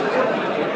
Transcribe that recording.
jadi insya allah